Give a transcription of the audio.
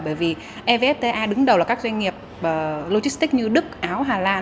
bởi vì evfta đứng đầu là các doanh nghiệp logistics như đức áo hà lan